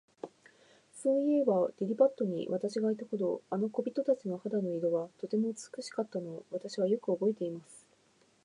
そういえば、リリパットに私がいた頃、あの小人たちの肌の色は、とても美しかったのを、私はよくおぼえています。